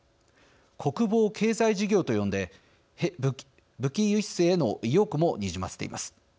国防経済事業と呼んで武器輸出への意欲もにじませています。